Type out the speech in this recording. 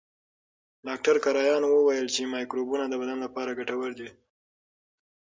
ډاکټر کرایان وویل چې مایکروبونه د بدن لپاره ګټور دي.